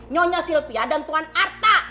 nyonya sylvia dan tuan arta